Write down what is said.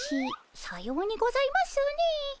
さようにございますねえ。